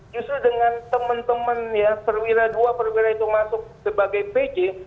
justru dengan teman teman ya perwira dua perwira itu masuk sebagai pj